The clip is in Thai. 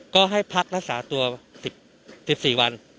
ก็ให้พักรักษาตัว๑๔วัน